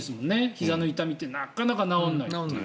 ひざの痛みってなかなか治らないという。